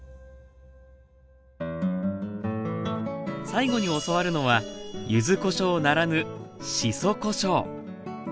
最後に教わるのは柚子こしょうならぬしそこしょう。